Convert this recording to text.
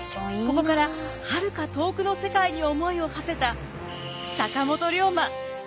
ここからはるか遠くの世界に思いをはせた坂本龍馬。